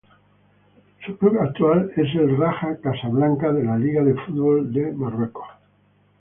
Su club actual es el Raja Casablanca de la Liga de Fútbol de Marruecos.